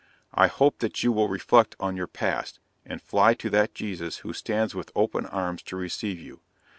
I hope that you will reflect on your past, and fly to that Jesus who stands with open arms to receive you.